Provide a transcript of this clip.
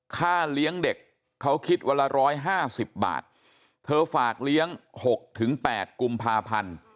ค่าเลี้ยงเด็กเขาคิดวันละ๑๕๐บาทเธอฝากเลี้ยง๖๘กุมภาพันธ์